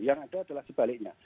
yang ada adalah sebaliknya